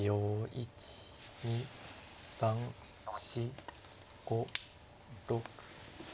１２３４５６。